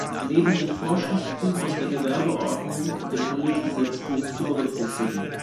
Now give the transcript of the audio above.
Daneben sind Vorschriften aus der Gewerbeordnung und dem Handelsgesetzbuch zu berücksichtigen.